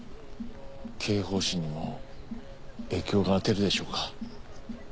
経営方針にも影響が出るでしょうか。